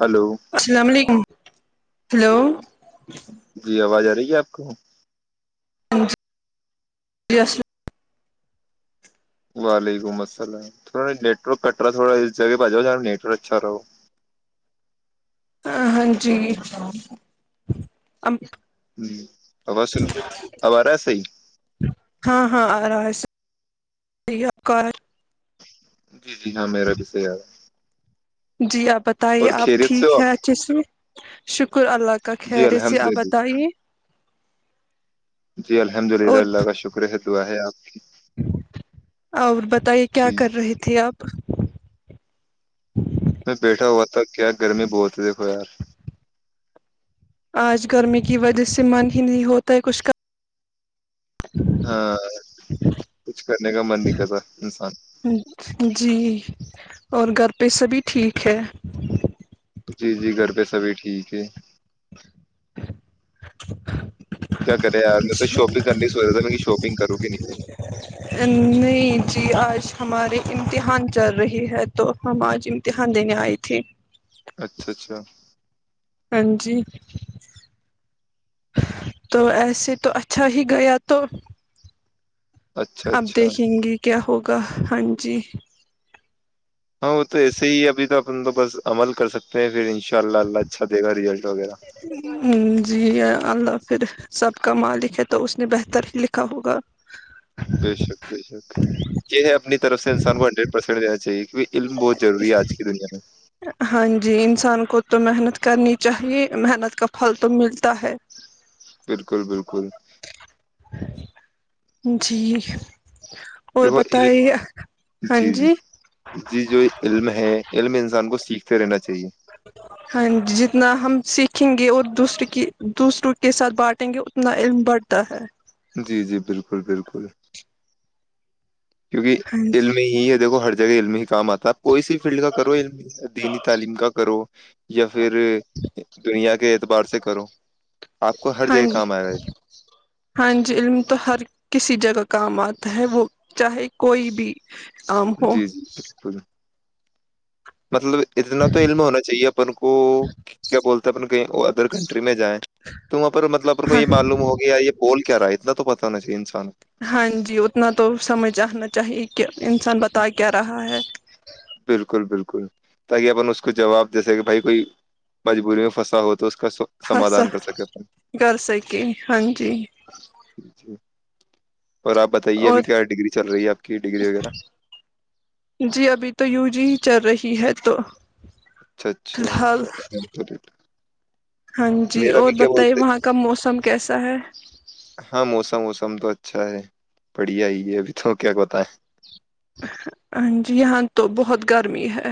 Hello السلام علیکم hello جی آواز آ رہی ہے آپ کو جیس وعلیکم السلام تھڑا نیٹورک کٹرا تھوڑا اس جگہ پہ جای س اچھا رہو ہ ہاں جی ج آو سن آب آ رہا ہے صی شرییا کار جی جی ہاں میرا بھی صحی یار ہے جی آپ بتائیے اور آپ خیریت سے ہو ٹھیک ہیں آپ اچھے سے شکر اللہ کا جی خیر سے الحمد آپ للہ بتائیے جی الحمد للہ اور اللہ کا شکر ہے تو آ ہے آپ اور بتائیے کیا جی کر رہی تھی آپ میں بیٹھا ہوا تھا کیا گرمی بولتے دیکھو یار آج گرمی کی وجہ سے من ہی نہیں ہوتا ہے کچھ کا ہاں کچھ کرنے کا من نہیں کرتا انسان کا جی اور گھر پہ سہبھی ٹھیک ہے اوکے [unintelligible] کیا کرے یار میں تو شاپنگ کرنے سوچ تھا م شاپنگ کروں گی نہیں نہیں جی آج ہمارے امتحان چل رہی ہے تو ہم آج امتحان دینے آئی تھی اچھا اچھا ہاں جی تو ایسے تو اچھا ہی گیا تو اچھا آپ اچھا دیکھیں گی کیا ہوگی ہاں جی ہاں وہ تو ایسے ہی ابھی تو اپ تو بس عمل کر سکتے ہیں پھر ان شاء اللہ اللہ اچھا دے گا رزلٹ وغیرہ ہ جی اللہظ پھر سب کا مالک ہے تو اس نے بہتر ہی لکھا ہوگا بے شک بے شک یہ ہے اپنی طرف سے انسان گن پھڑ جیا چاہے کی علم بہت ضروری ہے آج کی دنیا میں ہاں جی انسان کو تو محنت کرنی چاہیے محنت کا پھل تو ملتا ہے بالکل بالکل جی اور دیکھو بتائیے جی جی جی جو علم ہے علم انسان کو سیکھ پھرنا چاہیے ہاں جی جتنا ہم سیکھیں گے اور دوسرے کی دوسروں کے ساتھ بانٹیں گے اتنا علم بڑھتا ہے جی جی بالکل بالکل ہاں کیونکہ جی علمی ہی ہے دیکو ہر جگہ علمی سہمت کوئی س فیلڈ کا کرو دینی تعلیم کا کرو یا پھر دنیا کے اعتبار سے کرو آپ کو ہر ہاں جگہ جی کام آئے گاھر ہاں جی علم تو ہر کسی جگہ کام آتا ہے وہ چاہے کوئی بھی کام ہو جی جی بالکل مطلب اتنا تو علم ہونا چاہیے اپن کو کیا بولتا ہیں اپن کو ادر کنٹری میں جائیں تو وہاں پر مطلب آ کو ہاں یہ معلوم ہوگیا یا یہ بول کیا رہ ہے ات تو پتا نہیں ہے ا انسان ہاں جی اتنا تو سمجھ آنا چاہیے کہ انسان بتا کیا رہا ہے بالکل بالکل تاکہ اپن اس کو جواب جیسے کہ بھائی کوئی مجبوری میں پھنسا ہوتا ہس کر سکے ہاں جی جی اور آپ بتائیے اور ابھی کیا ڈگری چل رہی ہے آپ کی ڈگری وغیرہ جی ابھی تو یو جی ہی چل رہی کی ہے تو اچھا فی اچھا الحال ہاں جی میرا اور بھی کیا بتائیے بولتے وہاں کا موسم کیسا ہے کم تو اچھا ہے بڑھیا ہی ہے ابھی تو کیا کہتا ہے ہاں جی یہاں تو بہت گرمی ہے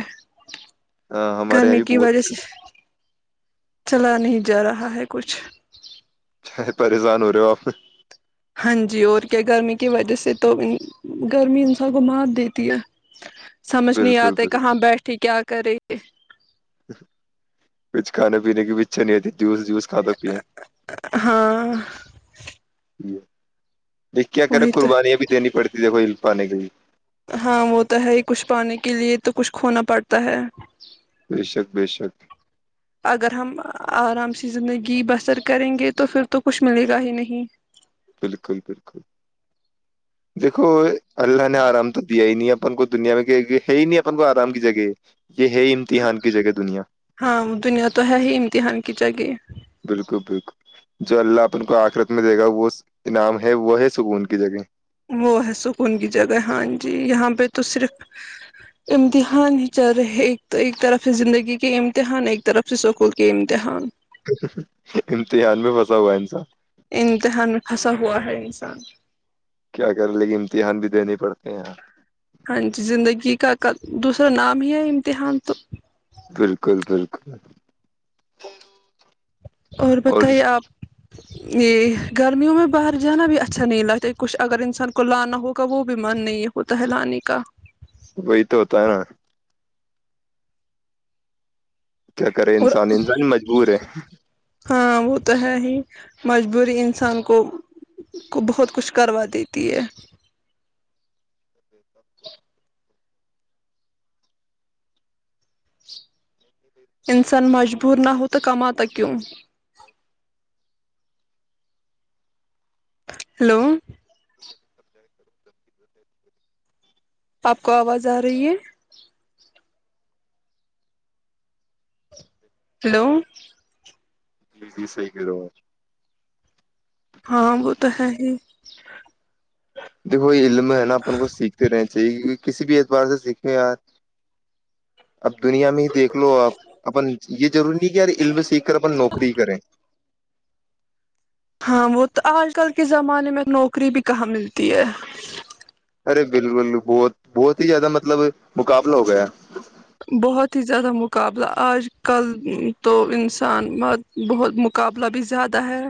ہاں، ہمارے یہاں گرمی بھی کی وجہ سے بہت چلا نہیں جا رہا ہے کچھ پریسانورو ہاں جی اور کیا گرمی کی وجہ سے تو گرمی انسان کو مات دیتی ہے سمجھ نہیں بالکل آتا بالکل کہاں بیٹھھی کیا [unintelligible] کچھ کھانے پینے کی بھیچھا نہیںتی جوس جوس کھاتا پی جٹھ ہاں ہے [inaudible] ج کیا کریں وہی تو قربانیاں بھی دینی پڑتی ہیں کوئی الفا نکئی ہاں وہ تو ہے ہی کچھ پانے کے لیے تو کچھ کھونا پڑتا ہے ب شک بے شک اگر ہم آرام سے زندگی بسر کریں گے تو پھر تو کچھ ملے گا ہی نہیں بالکل بالکل دیکھو اللہ نے آرام تو دیا ہی نہیں اب اپن کو دنیا میں ہے ہی نہیں اپن کو آرام کی جگہ یہ ہے امتحان کی جگہ دنیا ہاں دنیا تو ہے ہی امتحان ج جگے بالکل بالکل جو اللہ اپن کو آخرت میں دے گا وہ انعام ہے وہ ہے سکون کی جگہ وہ ہے سکون کی جگہ ہاں جی یہاں پہ تو صرف امتحان ہی چل رہے ایک ایک طرف سے زندگی کے امتحان ایک طرف سے سکون کے امتحان امتحان میں پھنسا ہوا انس امتحان میں پھنسا ہوا ہے انسان کیا کر لے کہ امتحان بھی دنے پڑتے ہیں یہاں ہاں جی زندگی کا کا دوسرا نام ہی ہے امتحان تو بالکل بالکل ا [inaudible] اور بتائیے آپ یہ گرمیوں میں باہر جانا بھی اچھا نہیں لگتا کچھ اگر انسان کو لانا ہوگا وہ بھی من نہیں ہوتا ہے لانے کا وہی تو ہوتا ہے نا کیا کرے اور انسان انسان مجبور ہے ہاں وہ تو ہے ہی مجبوری انسان کو کو بہت کچھ کروا دیتی ہے انسان مجبور نہ ہو تو کماتا کیوں توک [inaudible] ہلو آپ کو آواز آ رہی ہے ہلو جی جی صحی کہ رہو ہاں وہ تو ہے ہی دیکھو یہ علم ہے نا اپن کو سیکھتے رہنا چاہیے کیکہ کسی بھی اعتبار سے سیکھیں یار اب دنیا میں ہی دیکھ لو آپ اپن جی ضروری نہیں کہ یار علم سیکھ کر اپن نوکری کریں ہاں وہ تو آج کل کے زمانے میں نوکری بھی کہاں ملتی ہے ارے بالکل بہت بہت ہی زیادہ مطلب مقابلہ ہو گیا بہت ہی زیادہ مقابلہ آج کل تو انسان بہت مقابلہ بھی زیادہ ہے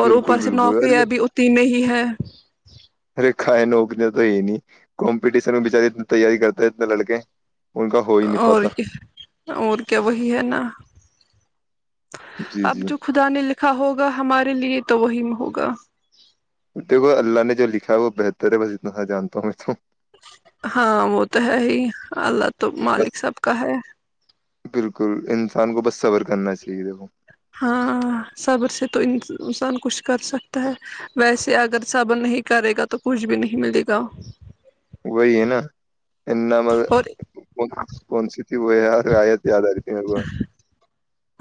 اور بالکل اوپر سے بالکل ارے نوکریاں بھی اتنی نہیں ہے ارے کھائے نوکنے تو ہی نہیں کمپٹیشن میں بچارے ات تیاری کرتے ہیں اتنے لڑکے کا ہو ہی نہیں اور پاتا اور کیا وہی ہے نا جی اب جی جو خدا نے لکھا ہوگا ہمارے لیجیے تو وہی میں ہوگا دیکھو اللہ نے جو لکھا ہے وہ بہتر ہے بس اتنا سا جانتا ہوں میں ت ہاں وہ تو ہے ہی اللہ تو مالک بس سب کا ہے بالکل انسان کو بس سبور کرنا چاہیے تھا وہ ہاں صبر سے تو انسان کچھ کر سکتا ہے ویسے اگر صبر نہیں کرے گا تو کچھ بھی نہیں ملے گا وہی ہے نا اننا م اور کون سی تھی وہ رعایت یاد آ رہی تھی میرے کو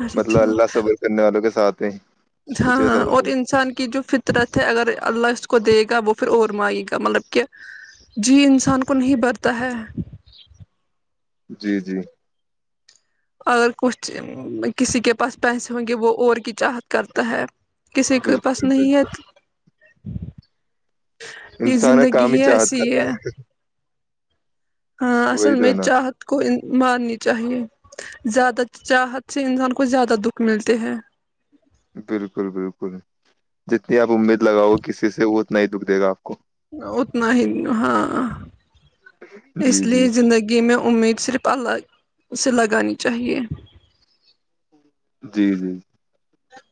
اچھا مطلب اللہ صبر کرنے والوں کے ساتھ [unintelligible] ہاں کچھ ایسا ہاں ہوتا اور ہے۔ انسان کی جو فطرت ہے اگر اللہ اس کو دیکھ وہ پھر اور مئیے گا مطلب کہ جی انسان کو نہیں برتا ہے جی جی اگر کچھ کسی کے پاس پیسے ہوں گے وہ اور کی چاہت کرتا ہے کسی کو پس بالکل نہیں ہے بالکل یہ انسان زندگی کام ہی چاہت ایسی کر رہا ہے ہاں اصل میں نا چاہت کو مارنی چاہیے زیادہ چاہت سے انسان کو زیادہ دکھ ملتے ہے بالکل بالکل جتنی آپ امید لگاؤ کسی سے اتنا ہی دکھ دے گا آپ کو اتنا ہی ہاں اس جی لیے جی زندگی میں امید صرف اللہ اسے لگانی چاہیے جی جی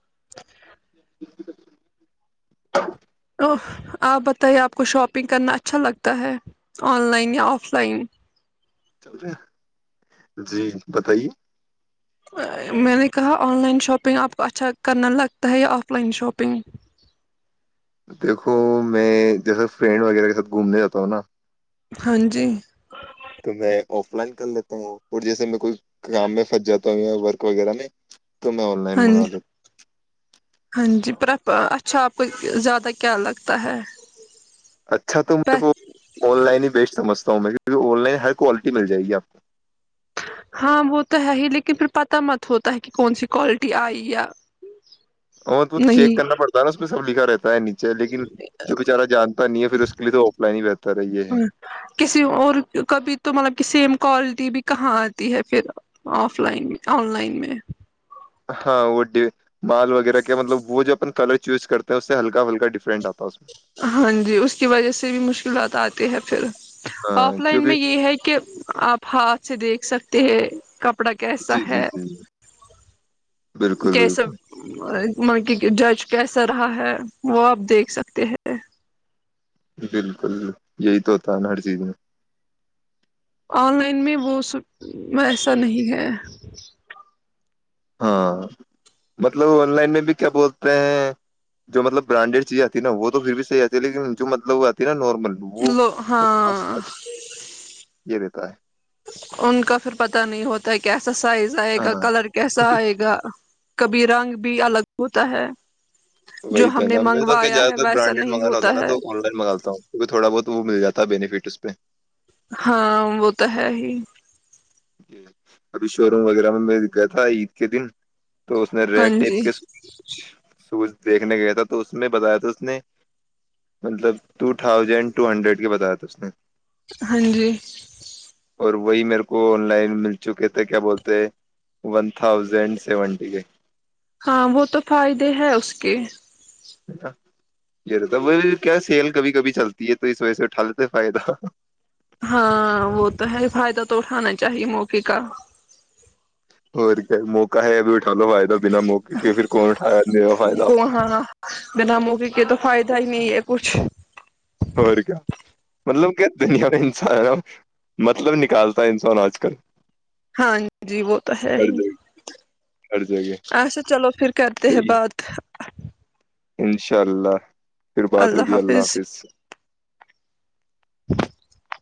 [inaudible] [inaudible] ا آپ بتائیے آپ کو شاپنگ کرنا اچھا لگتا ہے آن لائن یا آف لائن چل رہا جی بتائیے میں نے کہا آن لائن شاپنگ آپ کو اچھا کرنا لگتا ہے یا آف لائن شاپنگ دیکھو میں جیسے فرینڈ وغیرہ کے ساتھ گھومنے جاتا ہوں نا ہاں جی تو میں آف لائن کر لیتا ہوں جیسے میں کوئی کام میں پھنس جاتا ہوں یا ورک وغیرہ میں تو میں آن لائن ہاں مگا دی ف اچھا آپ کو زیادہ کیا لگتا ہے اچھا تو م کو آن لائن ہی بیچ سمجھتا ہوں میں کی آن لائ ہر کوالٹی مل جائے گی آپ کو ہاں وہ تو ہے ہی لیکن پھر پتا مت ہوتا ہے کہ کون سی کوالٹی آئی یا اور تو چیک کرنا نہیں پڑتا ہے نا اس پ لکھ رہ ہے نیچے لیکن جو بچارا جانتا نہیں ہے پھر اس کے لیے تو آف لائن ہی بہتا رہ یہ ہے کسی اور کبھی تو مطلب کہ سیم کوالٹی بھی کہاں آتی ہے پھر آف لائن آن لائن میں ہاں وہڈو مال وغیرہ کیا مطلب وہ جو اپ کلر چوز کرتے ہیں اسے ہلکا ہلکا ڈفرنٹ آپ ہاں جی اس کی وجہ سے بھی مشکلات آتی ہے پھر میں ہاں آف لائن کیونکہ میں یہ ہے کہ آپ ہاتھ سے دیکھ سکتے ہے کپ کپڑا کیسا جی جی ہے جی بالکل کیسب بالکل مطل کی جج کیسا رہا ہے وہ آپ دیکھ سکتے ہیں بالکل یہی تو ہوتا ہے ہر چیز میں آن لائن میں وہ س ایسا نہیں ہے ہاں مطلب آن لائن میں بھی کیا بولتے ہیں جو مطلب برانڈیڈ چیز آتی ہے نا وہ تو پھر بھی صحیح آتی ہے لیکن جو مطلب وہ آتی ہے نا ن لو ہاں یہ دیتا ہے ان کا پھر پتا نہیں ہوتا کیا کیسا سائز آئے گا ہاں کلر کیسا آئے گا کبھی رنگ بھی الگ ہوتا ہے جو وہی تو ہم نے نا میں تو کہ منگوایا زیاد ہے تر ویسا برانڈ نہیں منگانا ہو ہوتا نا ہے تو آن لائن منگاتا ہوںونکہ تھوڑا بہت وہ مل جاتا ہے بینیفٹ [inaudible] ہاں وہ تو ہے ہی ج ابھی شو روم وغیرہ میں میں گیا تھا عید کے دن تو اس نے ہاں ریگ ٹائپ جی کے سوز دیکھنے گیا تھا تو اس میں بتایا تھا اس نے مطلب ٹو تھاؤزینڈ ٹو ہنڈریڈ کے بتایا تھا اس نے ہاں جی اور وہی میرے کو لائن مل چکے تھے کیا بولتے ون تھاؤزینڈ سیونٹی کے ہاں وہ تو فائدے ہے اس کے وہ کیا سیل کبھی کبھی چلتی ہے تو اس وجہ سے اٹھا لیتے فائدہ ہاں وہ تو ہے فائدہ تو اٹھانا چاہیے موقعے کا اور کیا موقع ہےب اٹھا لو فائدہ بنا موقعے کے پھر کون اٹھایا فائدہ آپ کو تائی میں یہ پوچھ ہو کیا مطلب کہ دنیا میں انسان ہے مطلب نکالتا ہے انسان آج کل ہاں جی وہ تو ہے ہر ہی جگہ ہر جگہ اچھا چلو پھر کرتے ہیں صحیح بات انشاء اللہ پھر بات ہوگی اللہ حافظ سے [unintelligible]